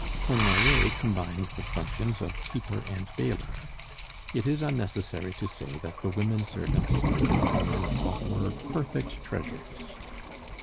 Cornoiller combined the functions of keeper and bailiff. It is unnecessary to say that the women servants selected by Nanon were "perfect treasures."